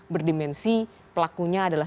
berdimensi pelakunya adalah